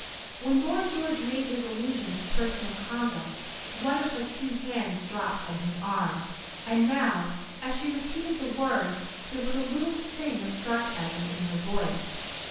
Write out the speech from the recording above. When Lord George made his allusion to personal conduct one of her two hands dropped from his arm, and now, as she repeated the words, there was a little sting of sarcasm in her voice.